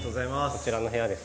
こちらの部屋ですね。